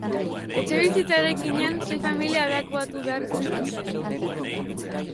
Etxebizitza eraikinean, sei familia ebakuatu behar izan dituzte.